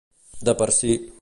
De per si.